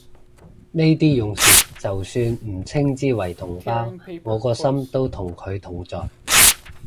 呢啲勇士就算唔稱之為同胞，我個心都同佢同在